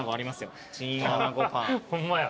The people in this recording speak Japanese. ホンマや。